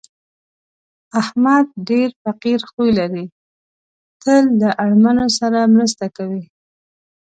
احمد ډېر فقیر خوی لري، تل له اړمنو سره مرسته کوي.